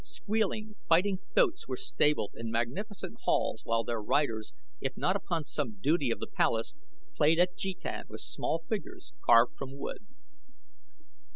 Squealing, fighting thoats were stabled in magnificent halls while their riders, if not upon some duty of the palace, played at jetan with small figures carved from wood.